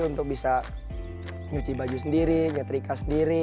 untuk bisa nyuci baju sendiri ngetrika sendiri